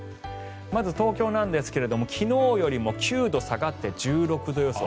まず東京なんですが昨日よりも９度下がって１６度予想。